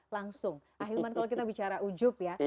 langsung ahilman kalau kita bicara ujub ya